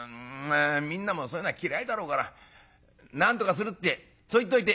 みんなもそういうのは嫌いだろうからなんとかするってそう言っといて」。